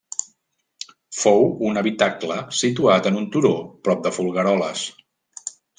Fou un habitacle situat en un turó prop de Folgueroles.